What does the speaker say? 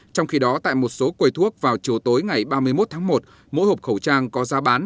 trong khi đó tại một số quầy thuốc vào chiều tối ngày ba mươi một tháng một mỗi hộp khẩu trang có giá bán